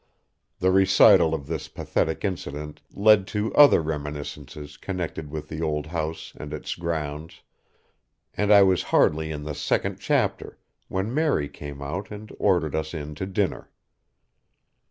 The recital of this pathetic incident led to other reminiscences connected with the old house and its grounds, and I was hardly in the second chapter when Mary came out and ordered us in to dinner.